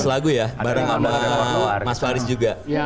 enam belas lagu ya bareng sama mas faris juga